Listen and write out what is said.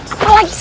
apa lagi sih